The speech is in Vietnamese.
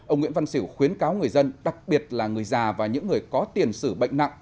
ông nguyễn văn xỉu khuyến cáo người dân đặc biệt là người già và những người có tiền xử bệnh nặng